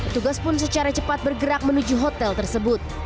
tugas pun secara cepat bergerak menuju hotel tersebut